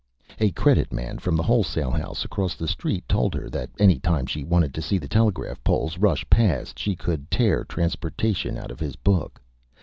A Credit Man from the Wholesale House across the Street told her that any time she wanted to see the Telegraph Poles rush past, she could tear Transportation out of his Book.